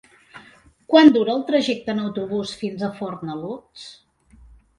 Quant dura el trajecte en autobús fins a Fornalutx?